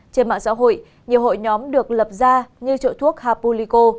trên mạng xã hội nhiều hội nhóm được lập ra như trợ thuốc hapulico